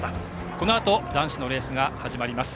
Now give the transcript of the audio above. このあと男子のレースが始まります。